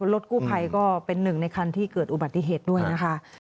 รถกู้ภัยก็เป็นหนึ่งในคันที่เกิดอุบัติเหตุด้วยนะคะ